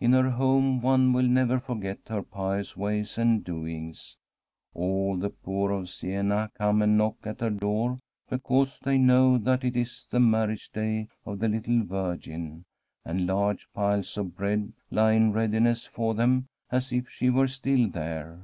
In her home one will never forget her pious ways and doings. All the poor of Siena come and knock at her door because they know that it is the marriage day of the little virgin, and large piles [261 1 from a SfFEDlSH HOMESTEAD of bread lie in readiness for them as if she were still there.